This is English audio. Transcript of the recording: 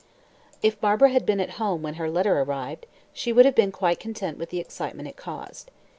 If Barbara had been at home when her letter arrived, she would have been quite content with the excitement it caused.